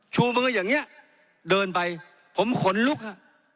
ชูมืออย่างนี้เดินไปผมขนลุกฮะ